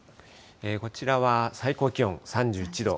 こちらは最高気温３１度。